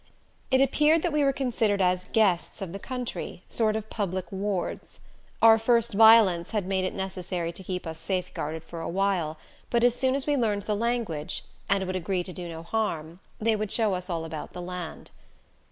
It appeared that we were considered as guests of the country sort of public wards. Our first violence had made it necessary to keep us safeguarded for a while, but as soon as we learned the language and would agree to do no harm they would show us all about the land.